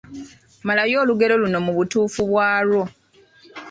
Malayo olugero luno mu butuufu bwalwo.